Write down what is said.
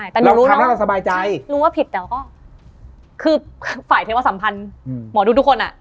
เราทำแล้วเราสบายใจแต่เรื่องผิดแล้วก็คือฝ่ายเทพสัมพันธ์หมอดูทุกคน